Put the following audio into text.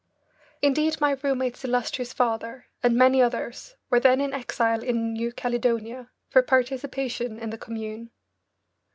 Indeed my roommate's illustrious father and many others were then in exile in New Caledonia for participation in the Commune.